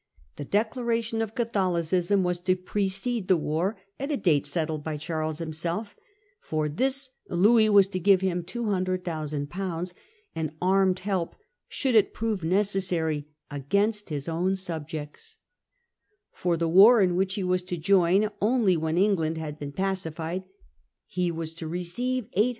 The Charles's declaration of Catholicism was to precede the ia?er and war, at a date settled by Charles himself ; for conditions, this Louis was to give him 200,000/. and armed help, should it prove necessary, against his own subjects. For the war, in which he was to join only when England had been pacified, he was to receive 800,000